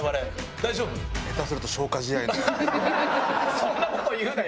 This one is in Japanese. そんな事言うなよ。